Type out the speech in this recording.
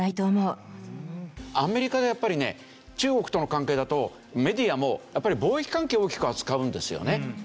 アメリカでやっぱりね中国との関係だとメディアもやっぱり貿易関係を大きく扱うんですよね。